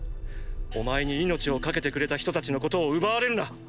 お前に命を賭けてくれた人たちのことを奪われるな！